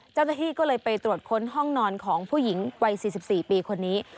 เจ้าหน้าที่ก็เลยไปตรวจค้นห้องนอนของผู้หญิงวัย๔๔ปีคนนี้